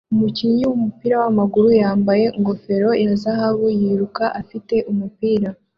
Umukinnyi wumupira wamaguru yambaye ingofero ya zahabu yiruka afite umupira